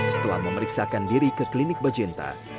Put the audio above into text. setelah memeriksakan diri ke klinik bajenta